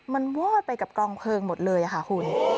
มันวอดไปกับกองเพลิงหมดเลยค่ะคุณ